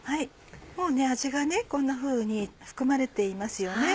もう味がこんなふうに含まれていますよね。